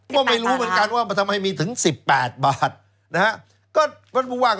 ก็ไม่รู้เหมือนกันว่ามันทำไมมีถึง๑๘บาทนะฮะ